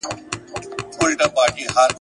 نه په داړو کي یې زور سته د څیرلو ..